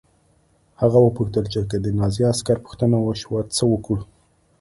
هغه وپوښتل چې که د نازي عسکر پوښتنه وشي څه وکړو